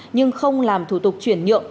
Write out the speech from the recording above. nhưng không làm thủ tục chuyển nhượng